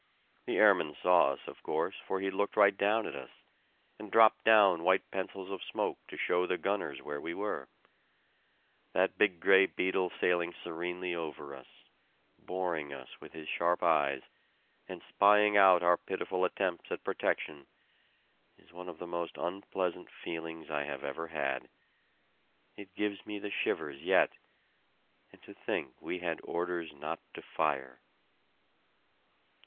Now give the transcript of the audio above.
The airman saw us, of course, for he looked right down at us, and dropped down white pencils of smoke to show the gunners where we were. That big gray beetle sailing serenely over us, boring us with his sharp eyes, and spying out our pitiful attempts at protection, is one of the most unpleasant feelings I have ever had. It gives me the shivers yet! And to think we had orders not to fire!